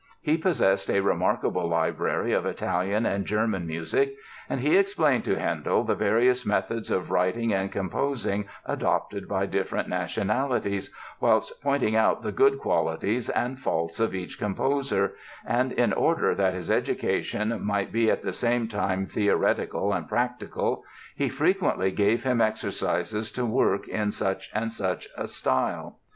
He possessed a remarkable library of Italian and German music, and he explained to Handel the various methods of writing and composing adopted by different nationalities, whilst pointing out the good qualities and the faults of each composer and in order that his education might be at the same time theoretical and practical, he frequently gave him exercises to work in such and such a style....